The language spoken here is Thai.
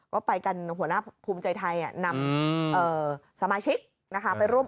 ก็ไปกันหัวหน้าภูมิใจไทยนำสมาชิกนะคะไปร่วม